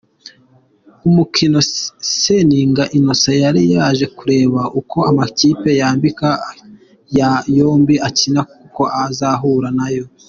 Umukino Seninga Inncent yari yaje kureba uko amakipe yombi akina kuko azahura nayo.